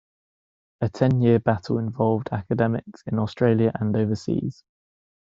A ten-year battle involved academics in Australia and overseas.